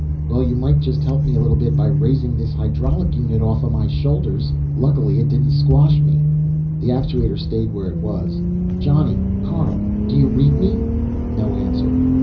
"Well, you might help me a bit by raising this hydraulic unit offa my shoulders. Lucky it didn't squash me." The actuator stayed where it was. "Johnny! Carl! Do you read me?" No answer.